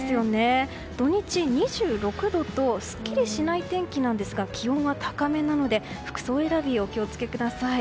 土日、２６度とすっきりしない天気なんですが気温は高めなので服装選びにお気を付けください。